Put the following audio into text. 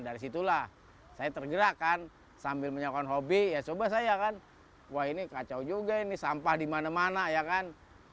dari situlah saya tergerak kan sambil menyiapkan hobi ya coba saya kan wah ini kacau juga ini sampah di mana mana ya kan